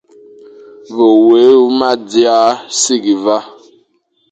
Ve wé huma dia sighle va,